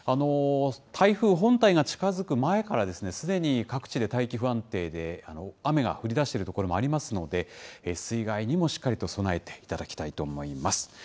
台風本体が近づく前からですね、すでに各地で大気不安定で、雨が降りだしている所もありますので、水害にもしっかりと備えていただきたいと思います。